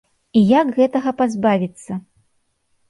І як гэтага пазбавіцца?